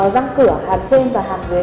răng cửa hàm trên và hàm dưới